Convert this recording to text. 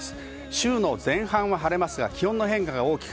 週の前半は晴れますが、気温の変化が大きく、